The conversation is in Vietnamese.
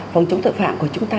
phòng chống tội phạm của chúng ta